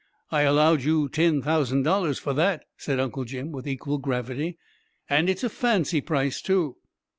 "I allowed you ten thousand dollars for that," said Uncle Jim, with equal gravity, "and it's a fancy price too."